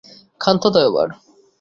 ক্ষান্ত দাও এবার।